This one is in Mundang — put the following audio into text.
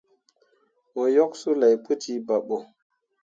Mo yok sulay pu jiiba ɓo.